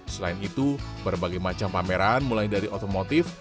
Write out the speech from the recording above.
selain itu berbagai macam pameran mulai dari otomotif